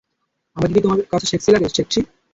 আমাকে কি তোমার কাছে সেক্সি লাগে?